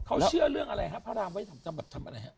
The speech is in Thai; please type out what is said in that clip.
เขาเชื่อเรื่องอะไรฮะพระรามไว้ทำอะไรฮะ